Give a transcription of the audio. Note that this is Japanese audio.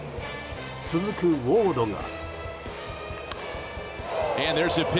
続くウォードが。